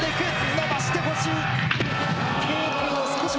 延ばしてほしい。